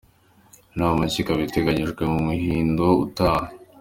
Inama nshya ikaba iteganyijwe mu muhindo utaha.